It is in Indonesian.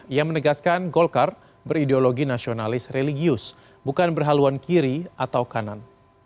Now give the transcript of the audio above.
ia menegaskan golkar berideologi nasionalis religius bukan berhaluan kiri atau kanan